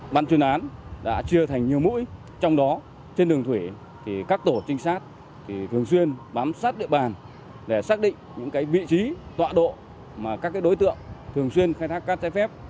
ban chuyên án đã chia thành nhiều mũi trong đó trên đường thủy thì các tổ trinh sát thường xuyên bám sát địa bàn để xác định những vị trí tọa độ mà các đối tượng thường xuyên khai thác cát trái phép